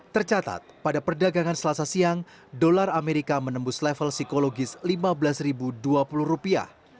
tercatat pada perdagangan selasa siang dolar amerika menembus level psikologis lima belas dua puluh rupiah